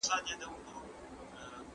تاسو باید د اثر ماهیت وپېژنئ.